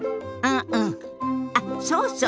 あっそうそう。